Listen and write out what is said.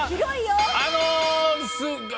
あの。